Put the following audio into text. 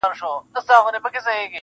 ما دي د میني سوداګر له کوڅې وشړله!